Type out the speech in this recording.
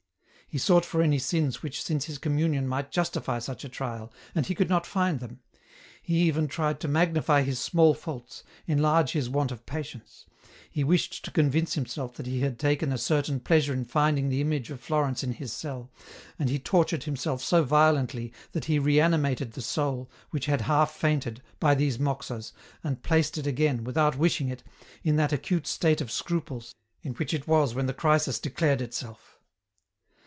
He sought for any sins which since his communion might justify such a trial, and he could not find them. He even tried to magnify his small faults, enlarge his want of patience ; he wished to convince himself that he had taken a certain pleasure in finding the image of Florence in his cell, and he tortured himself so violently that he reanimated the soul, which had half fainted, by these moxas, and placed it again, without wishing it, in that acute state of scruples, in which it was when the crisis declared itself.